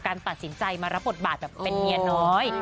ตัดสินใจมารับบทบาทแบบเป็นเมียน้อย